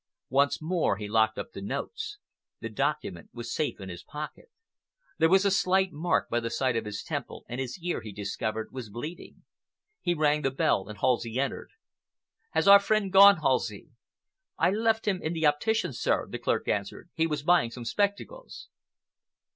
Once more he locked up the notes. The document was safe in his pocket. There was a slight mark by the side of his temple, and his ear, he discovered, was bleeding. He rang the bell and Halsey entered. "Has our friend gone, Halsey?" "I left him in the optician's, sir," the clerk answered. "He was buying some spectacles."